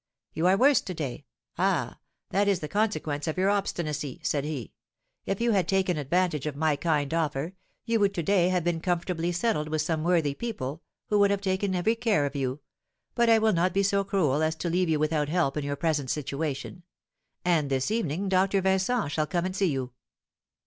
'You are worse to day. Ah! that is the consequence of your obstinacy,' said he; 'if you had taken advantage of my kind offer, you would to day have been comfortably settled with some worthy people, who would have taken every care of you; but I will not be so cruel as to leave you without help in your present situation; and this evening Doctor Vincent shall come and see you.'